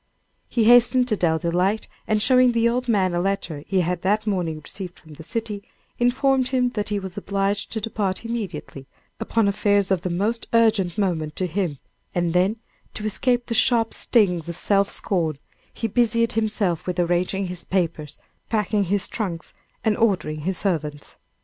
He hastened to Dell Delight, and showing the old man a letter he had that morning received from the city, informed him that he was obliged to depart immediately, upon affairs of the most urgent moment to him, and then, to escape the sharp stings of self scorn, he busied himself with arranging his papers, packing his trunks and ordering his servants.